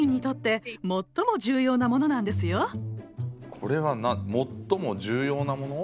これは最も重要なもの？